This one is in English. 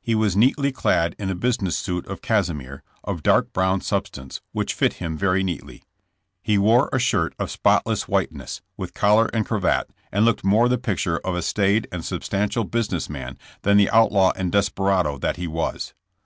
He was neatly clad in a business suit of cassimere, of dark brown substance, which fit him very neatly. He wore a shirt of spotless whiteness, with collar and cravat, and looked more the picture of a staid and substantial business man than the out law and desperado that he was.